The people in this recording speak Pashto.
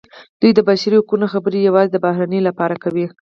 دوی د بشري حقونو خبرې یوازې د بهرنیانو لپاره کوي.